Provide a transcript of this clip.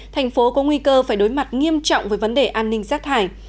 thành phố có nguy cơ phải đối mặt nghiêm trọng với vấn đề an ninh rác thải